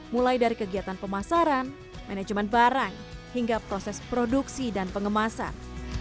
mulai dari kegiatan pemasaran manajemen barang hingga proses produksi dan pengemasan